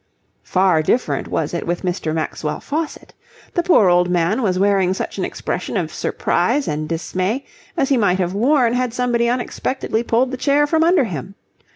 Far different was it with Mr. Maxwell Faucitt. The poor old man was wearing such an expression of surprise and dismay as he might have worn had somebody unexpectedly pulled the chair from under him.